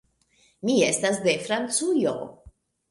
Mi estas de Francujo.